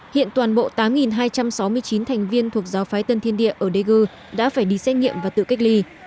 hiện toàn bộ tám hai trăm sáu mươi chín thành viên thuộc giáo phái tân thiên địa ở daegu đã phải đi xét nghiệm và tự cách ly